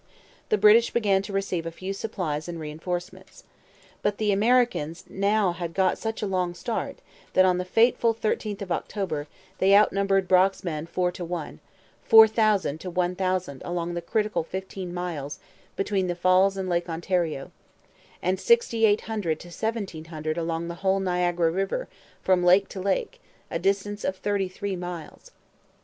The British began to receive a few supplies and reinforcements. But the Americans had now got such a long start that, on the fateful 13th of October, they outnumbered Brock's men four to one 4,000 to 1,000 along the critical fifteen miles between the Falls and Lake Ontario; and 6,800 to 1,700 along the whole Niagara river, from lake to lake, a distance of thirty three miles.